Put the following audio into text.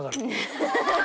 ハハハハ！